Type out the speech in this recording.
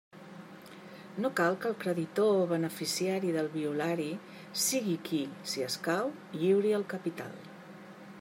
No cal que el creditor o beneficiari del violari sigui qui, si escau, lliuri el capital.